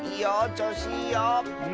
ちょうしいいよ！